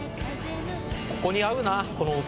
ここに合うなこの音。